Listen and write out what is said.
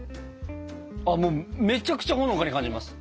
ああめちゃくちゃほのかに感じます。